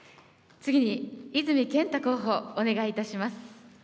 次に泉健太候補、お願いいたします。